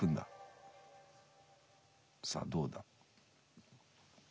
さあどうだ？